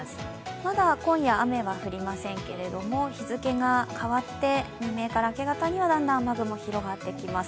まだ今夜、雨は降りませんけれども、日付が変わって未明から明け方には雨雲、広がってきます。